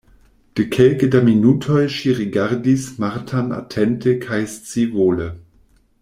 De kelke da minutoj ŝi rigardis Martan atente kaj scivole.